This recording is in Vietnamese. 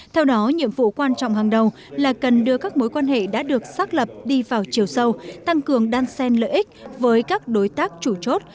theo đó nhiệm vụ quan trọng hàng đầu là cần đưa các mối quan hệ đã được xác lập đi vào chiều sâu tăng cường đan sen lợi ích với các đối tác chủ chốt